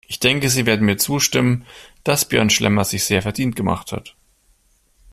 Ich denke, Sie werden mir zustimmen, dass Björn Schlemmer sich sehr verdient gemacht hat.